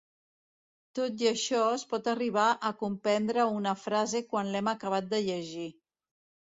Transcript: Tot i això es pot arribar a comprendre una frase quan l'hem acabat de llegir.